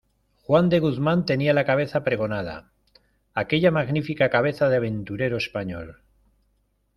juan de Guzmán tenía la cabeza pregonada, aquella magnífica cabeza de aventurero español.